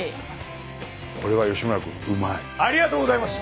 ありがとうございます。